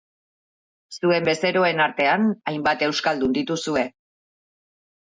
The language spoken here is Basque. Zuen bezeroen artean hainbat euskaldun dituzue.